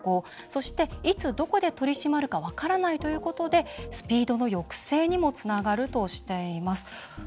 そしていつ、どこで取り締まるか分からないということでスピードの抑制にもつながるとしています。